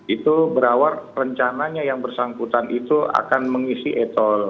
itu berawal rencananya yang bersangkutan itu akan mengisi etol